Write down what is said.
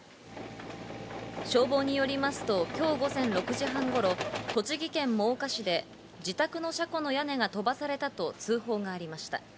消防によりますと、今日午前６時半頃、栃木県真岡市で自宅の車庫の屋根が飛ばされたと通報がありました。